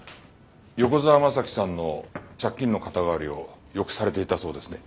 横沢征さんの借金の肩代わりをよくされていたそうですね。